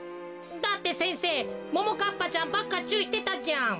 だって先生ももかっぱちゃんばっかちゅういしてたじゃん。